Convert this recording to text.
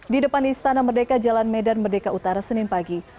di depan istana merdeka jalan medan merdeka utara senin pagi